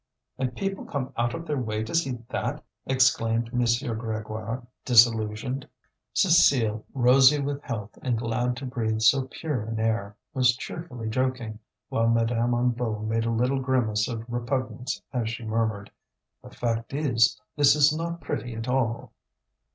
"And people come out of their way to see that!" exclaimed M. Grégoire, disillusioned. Cécile, rosy with health and glad to breathe so pure an air, was cheerfully joking, while Madame Hennebeau made a little grimace of repugnance as she murmured: "The fact is, this is not pretty at all."